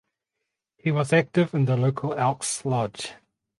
He was active in the local Elks lodge.